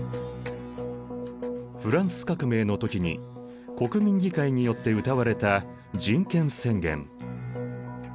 フランス革命の時に国民議会によってうたわれた人権宣言。